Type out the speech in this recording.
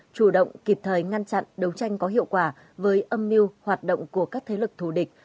chủ động kịp thời ngăn chặn đấu tranh có hiệu quả với âm mưu hoạt động của các thế lực thù địch